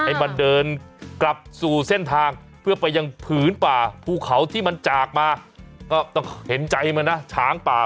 ให้มันเดินกลับสู่เส้นทางเพื่อไปยังผืนป่าภูเขาที่มันจากมาก็ต้องเห็นใจมันนะช้างป่า